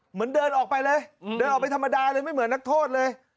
เหมือนเดินออกไปเลยเดินออกไปธรรมดาเลยไม่เหมือนนักโทษเลย